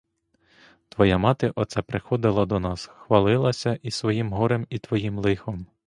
Твоя мати оце приходила до нас, хвалилася і своїм горем, і твоїм лихом.